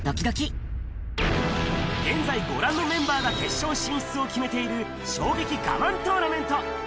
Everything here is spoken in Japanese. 現在、ご覧のメンバーが決勝進出を決めている、衝撃ガマントーナメント。